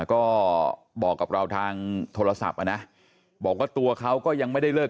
ก็บอกกับเราทางโทรศัพท์อ่ะนะบอกว่าตัวเขาก็ยังไม่ได้เลิก